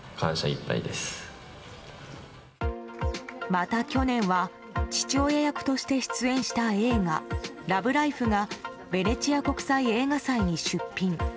また去年は父親役として出演した映画「ＬＯＶＥＬＩＦＥ」がベネチア国際映画祭に出品。